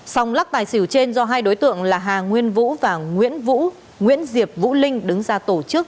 sòng lắc tài xỉu trên do hai đối tượng là hà nguyên vũ và nguyễn diệp vũ linh đứng ra tổ chức